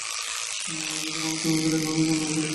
মলাটের ঘনত্ব মেপে দেখা হয়েছে যন্ত্রের সাহায্যে।